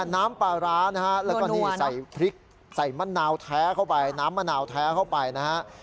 น้ำปลาร้านะฮะแล้วก็นี่ใส่พริกใส่มะนาวแท้เข้าไปน้ำมะนาวแท้เข้าไปนะฮะ